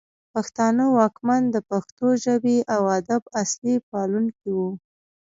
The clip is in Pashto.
پښتانه واکمن د پښتو ژبې او ادب اصلي پالونکي وو